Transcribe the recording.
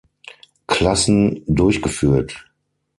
Klassen durchgeführt.